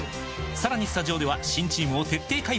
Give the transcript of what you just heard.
さらにスタジオでは新チームを徹底解剖！